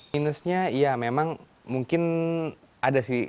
minusnya ya memang mungkin ada sih